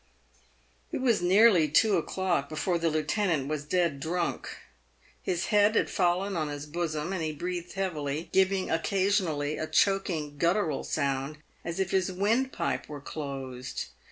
It was nearly two o'clock before the lieutenant was dead drunk. His head had fallen on his bosom, and he breathed heavily, giving oc casionally a choking, guttural sound, as if his windpipe were closed.